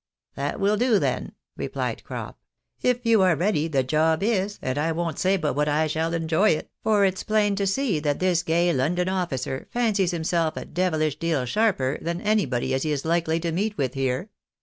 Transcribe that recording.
" That will do, then," replied Crop ;" if you are ready, the job is, and I won't say but what I shall enjoy it, for it's plain to see that this gay London officer fancies himself a devilish deal sharper than anybody as he is likely to meet with here.